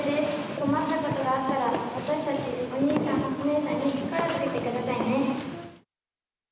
困ったことがあったら私たち、お兄さん、お姉さんに声をかけてくださいね。